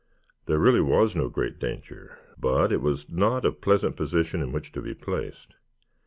There really was no great danger, but it was not a pleasant position in which to be placed.